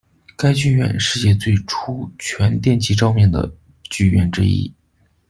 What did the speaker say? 该剧院世界最初全电气照明的剧院之一。